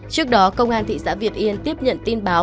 trước đó công an thị xã việt yên tiếp nhận tin báo